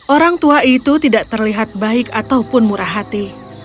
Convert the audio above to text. orang tua itu tidak terlihat baik ataupun murah hati